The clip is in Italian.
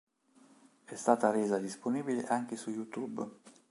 È stata resa disponibile anche su YouTube.